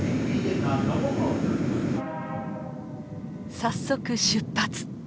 早速出発！